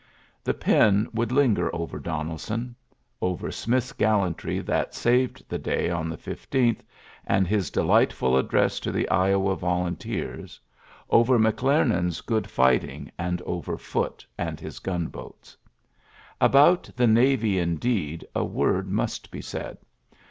The pen would linger over Donelson ; over Smith's gallantry that saved the day on the 15th, and his delightful address to the Iowa volunteers ; over McClemand's ULYSSES S. GEAlirr 63 good fighting, and over Foote and his gunboats. About the navy, indeed, a word must be said.